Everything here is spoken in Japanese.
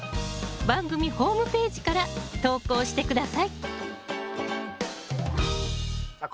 番組ホームページから投稿して下さいさあ